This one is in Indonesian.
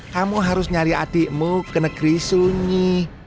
kamu harus nyari adikmu ke negeri sunyi